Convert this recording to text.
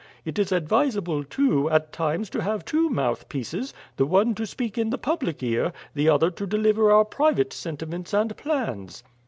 It is advisable, too, at times to have two mouthpieces; the one to speak in the public ear, the other to deliver our private sentiments and plans."